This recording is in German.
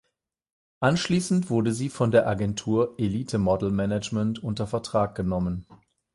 Anschließend wurde sie von der Agentur Elite Model Management unter Vertrag genommen.